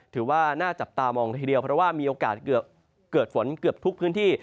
ถือว่าน่าจับตามองทีเดียวเพราะว่ามีโอกาสเกิดฝนเกือบทุกพื้นที่